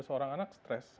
seorang anak stress